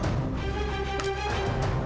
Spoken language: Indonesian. assalamualaikum warahmatullahi wabarakatuh